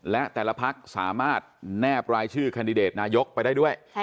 และแต่ละพักสามารถแนบรายชื่อแคนดิเดตนายกไปได้ด้วย